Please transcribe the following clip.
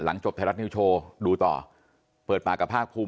จบไทยรัฐนิวโชว์ดูต่อเปิดปากกับภาคภูมิ